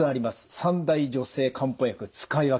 三大女性漢方薬使い分け